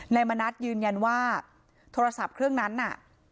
มณัฐยืนยันว่าโทรศัพท์เครื่องนั้นน่ะ